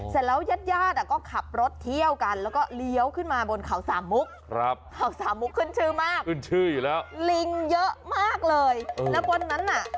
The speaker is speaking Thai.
เสร็จแล้วยาดก็ขับรถเที่ยวกัน